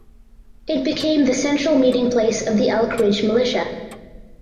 It became the central meeting place of the Elk Ridge Militia.